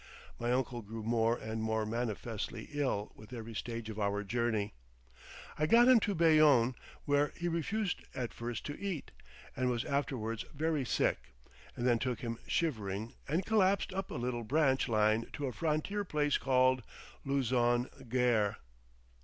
My uncle grew more and more manifestly ill with every stage of our journey. I got him to Bayonne, where he refused at first to eat, and was afterwards very sick, and then took him shivering and collapsed up a little branch line to a frontier place called Luzon Gare.